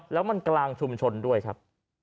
แล้วมันกลางชุมชนด้วยครับ